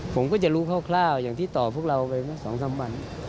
ผมก็จะรู้คร่าวอย่างที่ตอบพวกเราไปเมื่อ๒๓วัน